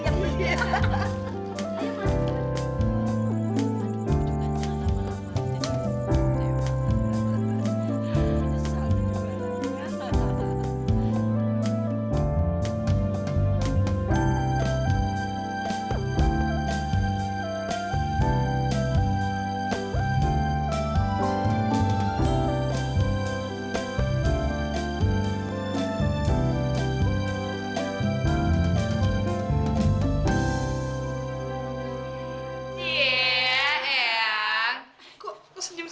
mau seperti yang itu